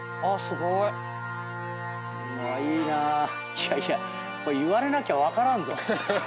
いやいやこれ言われなきゃ分からんぞ。